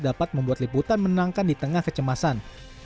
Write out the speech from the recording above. dapat membuat liputan menangkan di tengah kecemasan